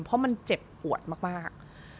เพราะมันเจ็บปวดมาก